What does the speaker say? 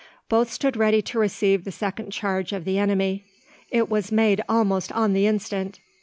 Both stood ready to receive the second charge of the enemy. It was made almost on the instant.